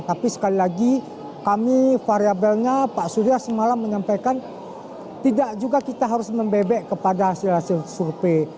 tapi sekali lagi kami variabelnya pak surya semalam menyampaikan tidak juga kita harus membebek kepada hasil hasil survei